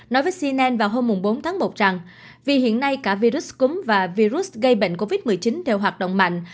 nói với cnn vào hôm bốn tháng một rằng vì hiện nay cả virus cúm và virus gây bệnh covid một mươi chín đều hoạt động mạnh